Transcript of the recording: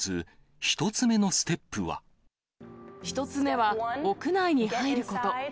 １つ目は、屋内に入ること。